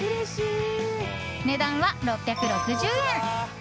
値段は６６０円。